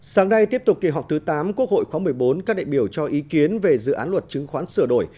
sáng nay tiếp tục kỳ họp thứ tám quốc hội khóa một mươi bốn các đại biểu cho ý kiến về dự án luật chứng khoán sửa đổi